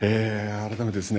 改めてですね